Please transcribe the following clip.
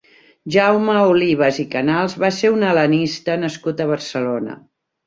Jaume Olives i Canals va ser un hel·lenista nascut a Barcelona.